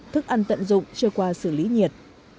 thức ăn tận dụng chưa qua xử lý nhiệt